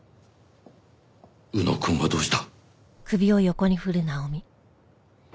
宇野くんはどうした？